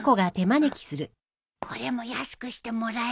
これも安くしてもらえないかな？